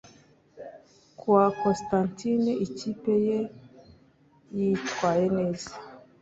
Kuwa Constantine ikipe ye yitwaye neza